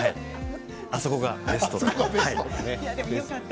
あそこがベストでした。